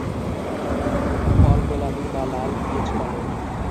ফল গোলাপি বা লাল, বীজ কালো।